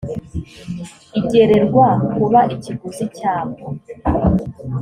igererwa kuba ikiguzi cyabwo